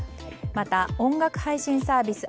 また音楽配信サービス